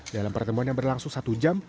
dalam pertemuan yang berlangsung satu jam